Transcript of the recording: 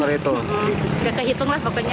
nggak dihitung lah pokoknya